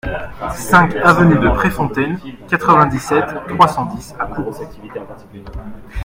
cinq avenue de Préfontaine, quatre-vingt-dix-sept, trois cent dix à Kourou